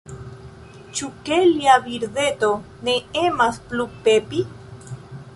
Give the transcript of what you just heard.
Ĉu, ke lia birdeto ne emas plu pepi?